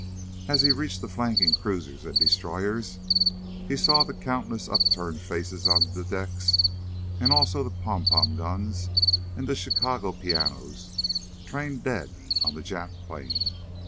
As he reached the flanking cruisers and destroyers, he saw the countless upturned faces on the decks, and also the Pom Pom guns and the "Chicago Pianos" trained dead on the Jap plane.